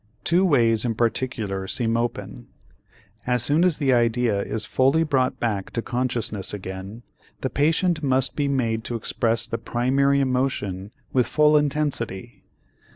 Two ways in particular seem open. As soon as the idea is fully brought back to consciousness again, the patient must be made to express the primary emotion with full intensity.